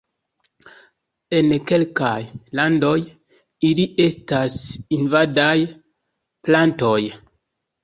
En kelkaj landoj ili estas invadaj plantoj.